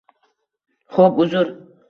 — Xo‘p, uzr.